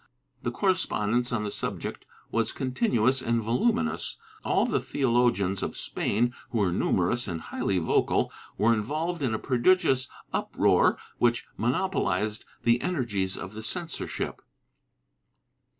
The correspondence on the subject was continuous and voluminous; all the theologians of Spain, who were numerous and highly vocal, were involved in a prodigious uproar which monopo lized the energies of the censorship.